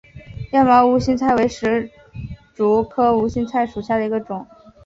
亚毛无心菜为石竹科无心菜属下的一个种。